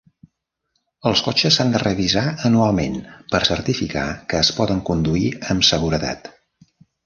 Els cotxes s'han de revisar anualment per certificar que es poden conduir amb seguretat.